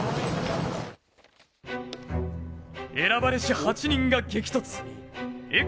選ばれし８人が激突。